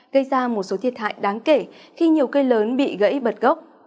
gây ra một số thiệt hại đáng kể khi nhiều cây lớn bị gãy bật gốc